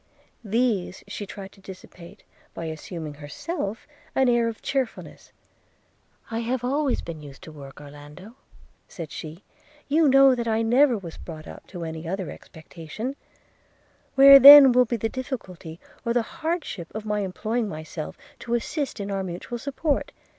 These she tried to dissipate, by assuming herself an air of cheerfulness – 'I have always been used to work, Orlando,' said she – 'you know that I never was brought up to any other expectation – Where then will be the difficulty or the hardship of my employing myself to assist in our mutual support?